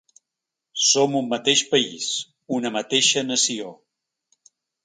Som un mateix país, una mateixa nació.